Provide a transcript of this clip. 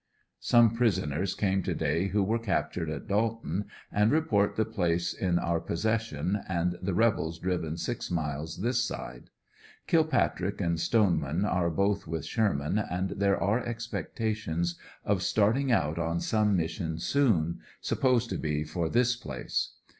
Some prisoners came to day who were captured at Dalton, and report the place in our possession, and the rebels driven six miles this side, Kilpatrick and Stoneman are both with Sherman and there are expectations of starting out on some mission soon, supposed to be for this place.